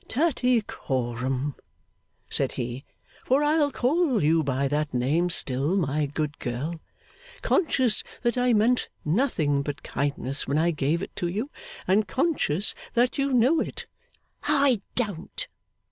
'Tattycoram,' said he, 'for I'll call you by that name still, my good girl, conscious that I meant nothing but kindness when I gave it to you, and conscious that you know it ' 'I don't!